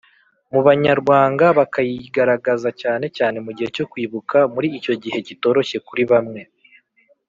mu Banyarwanga bakiyigaragaza cyane cyane mu gihe cyo kwibuka Muri icyo gihe cyitoroshye kuri bamwe